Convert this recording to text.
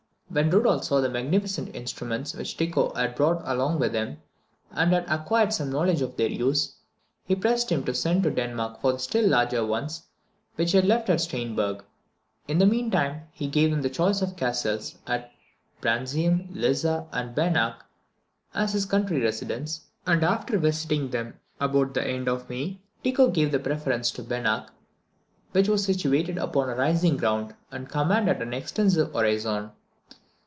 When Rudolph saw the magnificent instruments which Tycho had brought along with him, and had acquired some knowledge of their use, he pressed him to send to Denmark for the still larger ones which he had left at Stiern berg. In the meantime, he gave him the choice of the castles of Brandisium, Lyssa, and Benach as his country residence; and after visiting them about the end of May, Tycho gave the preference to Benach, which was situated upon a rising ground, and commanded an extensive horizon.